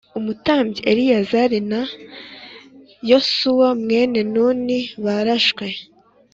umutambyi Eleyazari na Yosuwa mwene Nuni barashwe